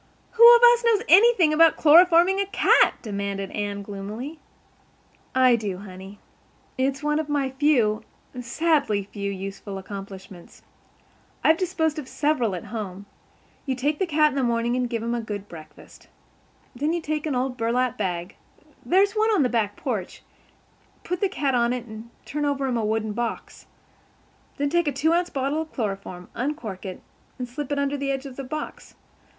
"Who of us knows anything about chloroforming a cat?" demanded Anne gloomily. "I do, honey. It's one of my few—sadly few—useful accomplishments. I've disposed of several at home. You take the cat in the morning and give him a good breakfast. Then you take an old burlap bag—there's one in the back porch—put the cat on it and turn over him a wooden box. Then take a two ounce bottle of chloroform, uncork it, and slip it under the edge of the box.